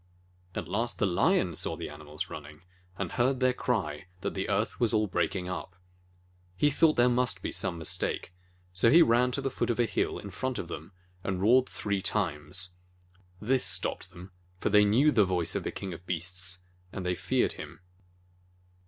At last the Lion saw the animals running, and heard their cry that the earth was all breaking up. He thought there must be some mistake, so he ran to the foot of a hill in front of them and roared three times. 41 JATAKA TALES This stopped them, for they knew the voice of the King of Beasts, and they feared him.